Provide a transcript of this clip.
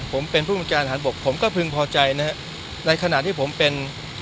ผมเป็นผู้บริการฐานบกผมก็พึงพอใจนะฮะในขณะที่ผมเป็น